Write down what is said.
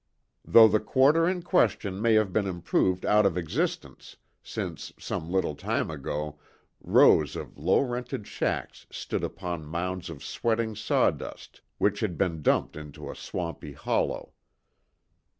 Though the quarter in question may have been improved out of existence since, some little time ago rows of low rented shacks stood upon mounds of sweating sawdust which had been dumped into a swampy hollow.